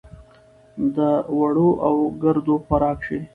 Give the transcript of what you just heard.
د دوړو او ګردو خوراک شي .